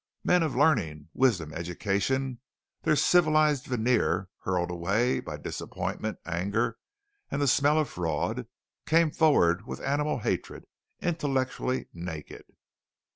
Men of learning, wisdom, education, their civilized veneer hurled away by disappointment, anger, and the smell of fraud, came forward with animal hatred, intellectually naked.